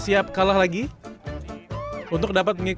siap kalah lagi untuk dapat mengikuti